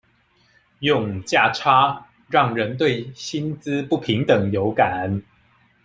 用價差讓人對薪資不平等有感